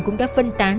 cũng đã phân tán